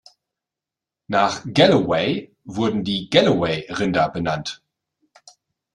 Nach "Galloway" wurden die Galloway-Rinder benannt.